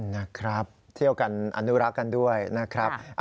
นะครับเที่ยวกันอนุรักษ์กันด้วยนะครับ